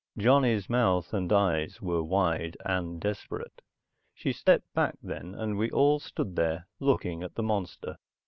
Johnny's mouth and eyes were wide, and desperate. She stepped back then and we all stood there looking at the monster.